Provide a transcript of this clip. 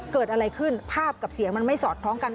เกิดอะไรขึ้นภาพกับเสียงมันไม่สอดคล้องกัน